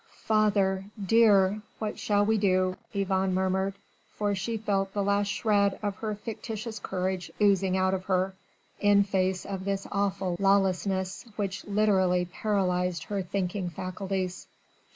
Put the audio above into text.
"Father, dear! what shall we do?" Yvonne murmured, for she felt the last shred of her fictitious courage oozing out of her, in face of this awful lawlessness which literally paralysed her thinking faculties.